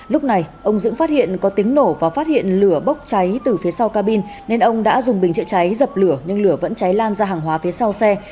lúc này ông dững phát hiện có tiếng nổ và phát hiện lửa bốc cháy từ phía sau cabin nên ông đã dùng bình chữa cháy dập lửa nhưng lửa vẫn cháy lan ra hàng hóa phía sau xe